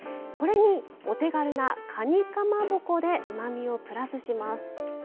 これにお手軽なかにかまぼこでうまみをプラスします。